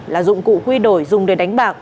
là dụng cụ quy đổi dùng để đánh bạc